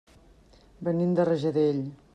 Venim de Rajadell.